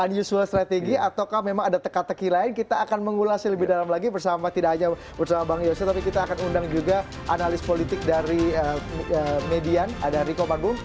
usual strategy ataukah memang ada teka teki lain kita akan mengulasnya lebih dalam lagi bersama tidak hanya bersama bang yosef tapi kita akan undang juga analis politik dari median ada riko panggung